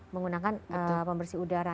menggunakan pembersih udara